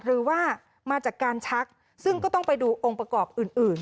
หรือว่ามาจากการชักซึ่งก็ต้องไปดูองค์ประกอบอื่น